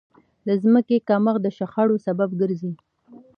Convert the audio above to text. د ځمکې کمښت د شخړو سبب ګرځي.